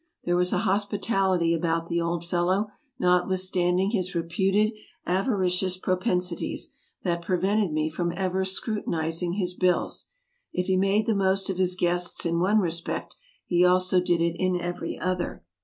There was a hospitality about the old fellow, notwithstand ing his reputed avaricious propensities, that prevented me from ever scrutinizing his bills. If he made the most of his guests in one respect, he also did it in every other.